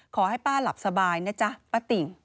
ขอให้ป้าหลับสบายนะจ๊ะป้าติ่ง